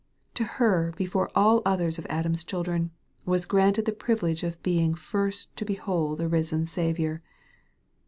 To her before all others of Adam's children, was granted the privilege of being first to behold a risen Saviour.